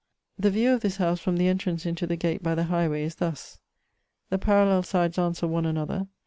The view of this howse from the entrance into the gate by the high way is thus. The parallel sides answer one another.